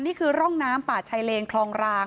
นี่คือร่องน้ำป่าชายเลนคลองราง